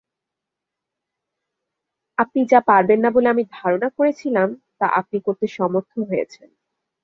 আপনি যা পারবেন না বলে আমি ধারণা করেছিলাম তা আপনি করতে সমর্থ হয়েছেন।